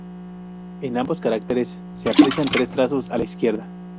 En ambos caracteres se aprecian tres trazos a la izquierda.